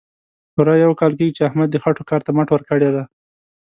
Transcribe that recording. پوره یو کال کېږي، چې احمد د خټو کار ته مټ ورکړې ده.